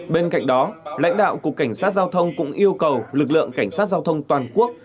bên cạnh đó lãnh đạo cục cảnh sát giao thông cũng yêu cầu lực lượng cảnh sát giao thông toàn quốc